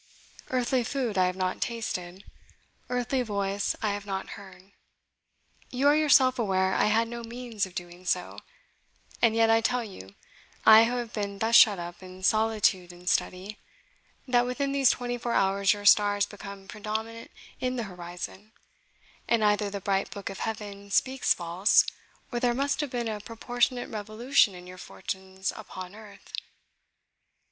Earthly food I have not tasted earthly voice I have not heard. You are yourself aware I had no means of doing so; and yet I tell you I who have been thus shut up in solitude and study that within these twenty four hours your star has become predominant in the horizon, and either the bright book of heaven speaks false, or there must have been a proportionate revolution in your fortunes upon earth.